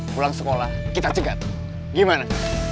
pulang sekolah kita cegat gimana